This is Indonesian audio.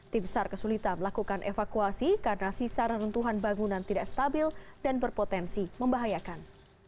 tim sar kesulitan melakukan evakuasi karena sisa reruntuhan bangunan tidak stabil dan berpotensi membahayakan